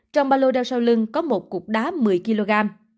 trong ba lô đeo sau lưng có một cục đá một mươi kg